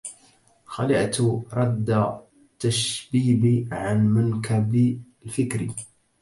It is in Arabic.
خلعت ردا التشبيب عن منكب الفكر